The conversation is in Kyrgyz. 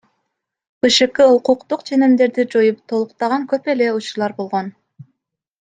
БШК укуктук ченемдерди жоюп толуктаган көп эле учурлар болгон.